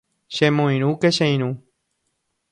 Chemoirũke che irũ